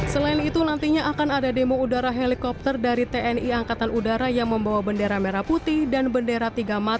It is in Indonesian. selain itu nantinya akan ada demo udara helikopter dari tni angkatan udara yang membawa bendera merah putih dan bendera tiga mata